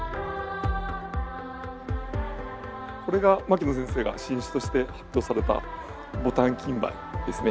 これが牧野先生が新種として発表されたボタンキンバイですね。